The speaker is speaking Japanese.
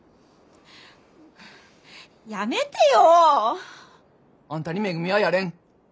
やめてよ！あんたにめぐみはやれん。